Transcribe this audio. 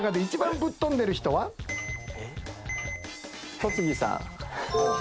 戸次さん。